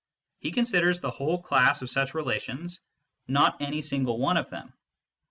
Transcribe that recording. He considers the whole class of such relations, not any single one among them.